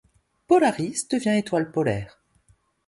Polaris devient Etoile Polaire.